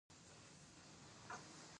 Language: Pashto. چې راډکې کړي زمونږ تشې لمنې